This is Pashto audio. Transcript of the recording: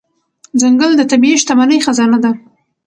ځنګل د طبیعي شتمنۍ خزانه ده.